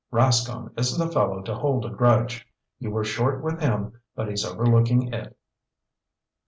"Rascomb isn't a fellow to hold a grudge. You were short with him but he's overlooking it."